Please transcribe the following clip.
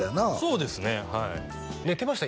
そうですねはい寝てました？